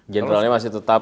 generalnya masih tetap